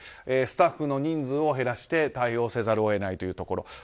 スタッフの人数を減らして対応せざるを得ないというところ。